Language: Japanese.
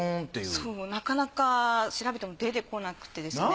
そうなかなか調べても出てこなくてですね。